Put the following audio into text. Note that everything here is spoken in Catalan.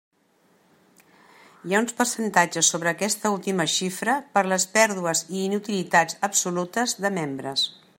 Hi ha uns percentatges sobre aquesta última xifra per les pèrdues i inutilitats absolutes de membres.